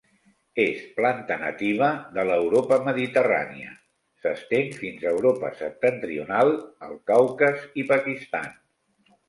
És planta nativa de l'Europa mediterrània; s'estén fins a Europa septentrional, el Caucas i Pakistan.